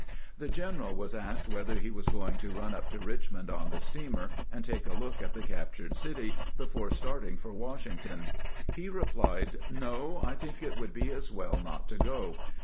The general was asked whether he was going to run up to Richmond on the steamer, and take a look at the captured city, before starting for Washington. He re plied :" No ; I think it would be as well not to go.